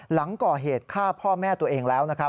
หลังก่อเหตุฆ่าพ่อแม่ตัวเองแล้วนะครับ